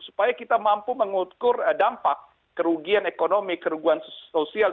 supaya kita mampu mengukur dampak kerugian ekonomi kerugian sosial